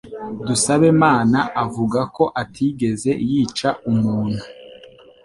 Dusabemana avuga ko atigeze yica umuntu.